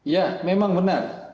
ya memang benar